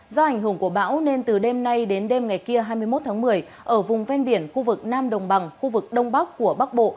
do ảnh hưởng của bão nên từ đêm nay đến đêm ngày kia hai mươi một tháng một mươi ở vùng ven biển khu vực nam đồng bằng khu vực đông bắc của bắc bộ